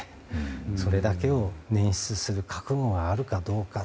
それだけを捻出する覚悟があるかどうか。